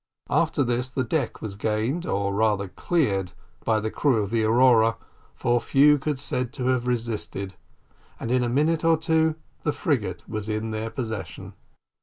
After this, the deck was gained, or rather cleared, by the crew of the Aurora, for few could be said to have resisted, and in a minute or two the frigate was in their possession.